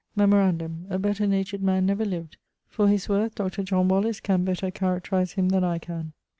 Memorandum: a better natured man never lived: for his worth Dr. Wallis can better characterise him than I can.